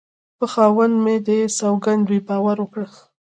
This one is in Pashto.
په خاوند مې دې سوگند وي باور وکړه